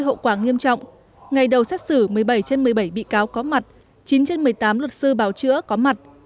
hậu quả nghiêm trọng ngày đầu xét xử một mươi bảy trên một mươi bảy bị cáo có mặt chín trên một mươi tám luật sư bào chữa có mặt